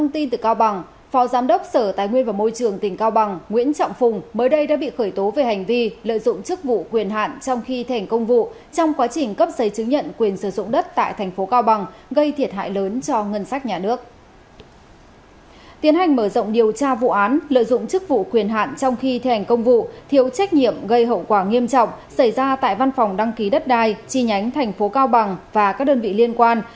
tiến hành mở rộng điều tra vụ án lợi dụng chức vụ quyền hạn trong khi thể hành công vụ thiếu trách nhiệm gây hậu quả nghiêm trọng xảy ra tại văn phòng đăng ký đất đai chi nhánh tp cao bằng và các đơn vị liên quan